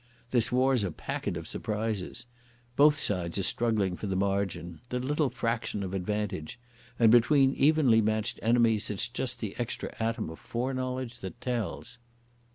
This war's a packet of surprises. Both sides are struggling for the margin, the little fraction of advantage, and between evenly matched enemies it's just the extra atom of foreknowledge that tells."